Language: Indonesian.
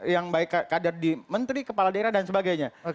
yang baik kader di menteri kepala daerah dan sebagainya